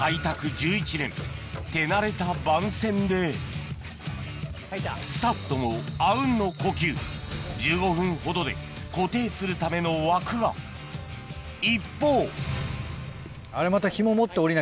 １１年手慣れた番線でスタッフともあうんの呼吸１５分ほどで固定するための枠が一方あれヒモ持って。